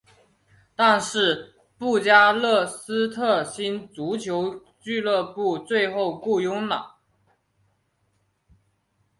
但是布加勒斯特星足球俱乐部最后雇佣了。